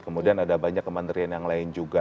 kemudian ada banyak kementerian yang lain juga